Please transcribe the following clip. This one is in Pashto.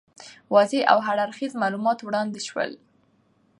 واضح او هر اړخیز معلومات وړاندي سول.